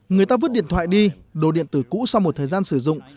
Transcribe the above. người ta vứt điện thoại đi đồ điện tử cũ sau một thời gian sử dụng